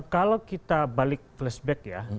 kalau kita balik flashback ya